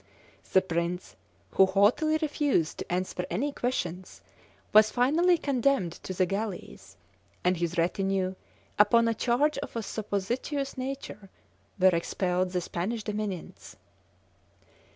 The "prince," who haughtily refused to answer any questions, was finally condemned to the galleys; and his retinue, upon a charge of a supposititious nature, were expelled the Spanish dominions.